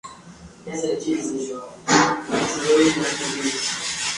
Su lentitud en el trabajo fue proverbial entre sus colegas.